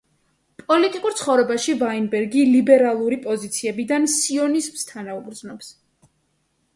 პოლიტიკურ ცხოვრებაში ვაინბერგი ლიბერალური პოზიციებიდან სიონიზმს თანაუგრძნობს.